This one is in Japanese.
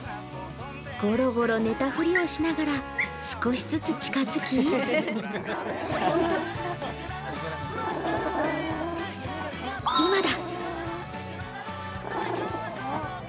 ゴロゴロ寝たふりをしながら少しずつ近づき今だ！